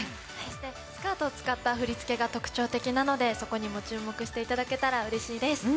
スカートを使った振り付けが特徴的なのでそこにも注目していただけたらうれしいです。